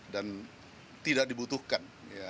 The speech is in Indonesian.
dan tidak dibutuhkan